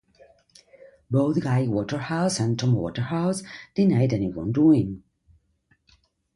Both Gai Waterhouse and Tom Waterhouse denied any wrongdoing.